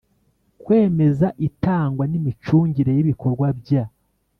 Kwemeza itangwa n imicungire y ibikorwa bya